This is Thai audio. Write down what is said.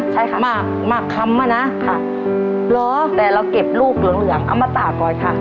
ใช่ค่ะมากมากคำอ่ะนะค่ะเหรอแต่เราเก็บลูกเหลืองเหลืองเอามาตากก่อนค่ะ